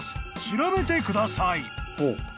調べてください」